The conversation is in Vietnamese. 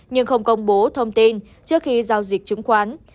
nhưng không công bố thông tin trước khi giao dịch chứng khoán